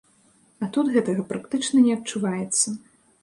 А тут гэтага практычна не адчуваецца.